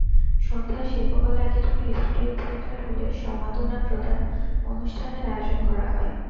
সন্ধ্যায় শিল্পকলা একাডেমীর studio theatre হলে সম্মাননা প্রদান অনুষ্ঠানের আয়োজন করা হয়।